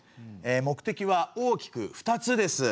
目的は大きく二つです。